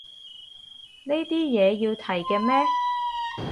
呢啲嘢要提嘅咩